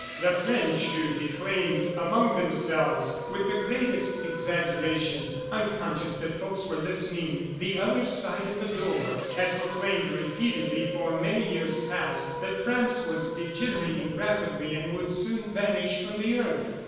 The French who declaimed among themselves, with the greatest exaggeration, unconscious that folks were listening the other side of the door, had proclaimed repeatedly for many years past, that France was degenerating rapidly and would soon vanish from the earth.